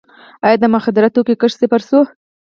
آیا د مخدره توکو کښت صفر شوی؟